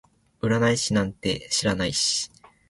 占い師なんて知らないし